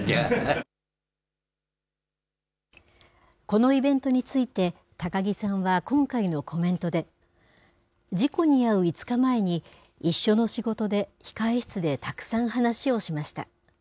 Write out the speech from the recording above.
このイベントについて、高木さんは今回のコメントで、事故に遭う５日前に、一緒の仕事で、控え室でたくさん話をしました。